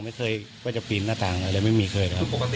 ไม่เคยวัดหยัดปีนหน้าต่างอะไรไม่มีเคย